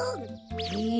へえ。